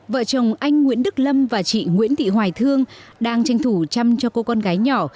vợ chồng anh nguyễn đức lâm và chị nguyễn thị hoài thương đang tranh thủ chăm cho cô con gái nhỏ